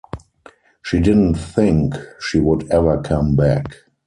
She didn't think she would ever come back.